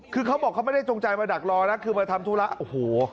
คือเขาบอกเขาไม่ได้จงใจมาดักรอนะคือมาทำธุระโอ้โห